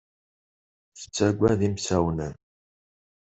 Tettaggad imsawnen.